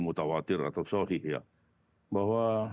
mutawatir atau sohih ya bahwa